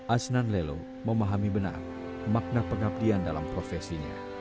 asnan lelo memahami benar makna pengabdian dalam profesinya